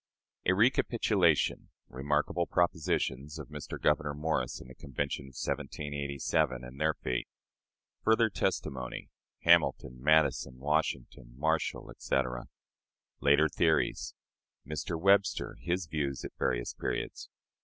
A Recapitulation. Remarkable Propositions of Mr. Gouverneur Morris in the Convention of 1787, and their Fate. Further Testimony. Hamilton, Madison, Washington, Marshall, etc. Later Theories. Mr. Webster: his Views at Various Periods.